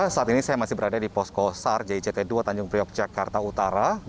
saat ini saya masih berada di posko sar jict dua tanjung priok jakarta utara